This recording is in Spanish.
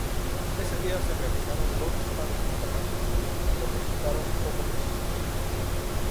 Ese día se realizaron dos disparos contra París, pero resultaron poco precisos.